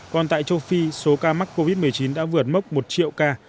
còn tại châu phi số ca mắc covid một mươi chín đã vượt mốc một triệu ca